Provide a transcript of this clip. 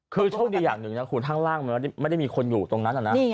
คือโชคดีอย่างหนึ่งคือทางล่างไม่ได้มีคนอยู่ตรงนั้น